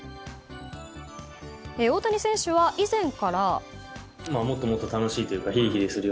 大谷選手は以前から。